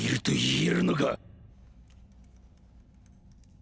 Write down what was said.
え？